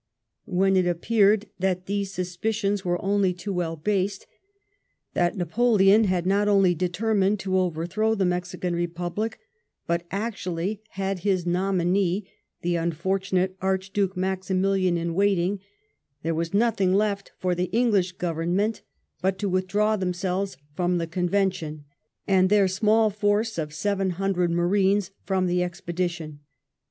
When it appeared that these suspicions were only too well based, that Napoleon had not only determined to overthrow the Mexican Republic, but actually had his nominee, the unfortunate Archduke Maximilian, in waiting, there was nothing left for the English Government but to withdraw themselves from the Convention, and their small force of 700 marines from the expedition.